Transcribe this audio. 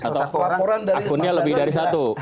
atau akunnya lebih dari satu